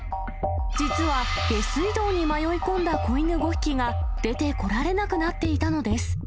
実は下水道に迷い込んだ子犬５匹が、出てこられなくなっていたのです。